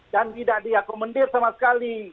dan tidak diakomendir sama sekali